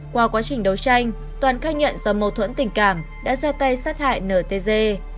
qua quá trình đấu tranh toàn khai nhận do mâu thuẫn tình cảm đã ra tay sát hại nở tê dê